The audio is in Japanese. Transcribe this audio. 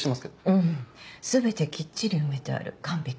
うん全てきっちり埋めてある完璧。